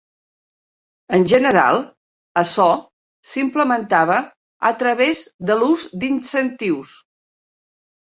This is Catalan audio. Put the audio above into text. En general, açò s'implementava a través de l'ús d'incentius.